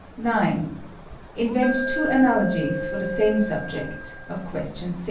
9. Invent two analogies for the same subject (question 6).